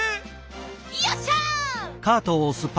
よっしゃ！